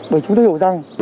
bởi chúng tôi hiểu rằng